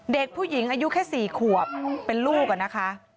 เด็กผู้หญิงอายุแค่๔ขวบเป็นลูกอะนะคะ